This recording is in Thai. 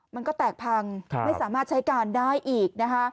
มันก็แตกพังไม่สามารถใช้การได้อีกนะคะ